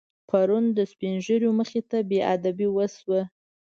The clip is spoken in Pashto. پرون د سپینږیرو مخې ته بېادبي وشوه.